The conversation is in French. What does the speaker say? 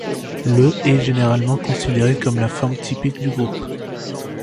Le est généralement considéré comme la forme typique du groupe.